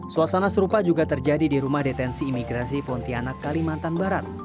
suasana serupa juga terjadi di rumah detensi imigrasi pontianak kalimantan barat